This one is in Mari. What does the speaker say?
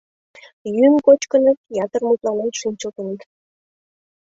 Йӱын-кочкыныт, ятыр мутланен шинчылтыныт.